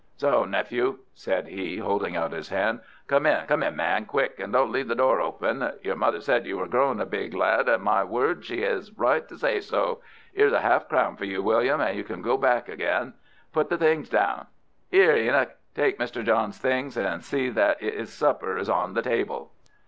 "So, nephew," said he, holding out his hand. "Come in, come in, man, quick, and don't leave the door open. Your mother said you were grown a big lad, and, my word, she 'as a right to say so. 'Ere's a 'alf crown for you, William, and you can go back again. Put the things down. 'Ere, Enoch, take Mr. John's things, and see that 'is supper is on the table."